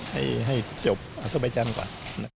ให้เสียบอาซิบายจานก่อน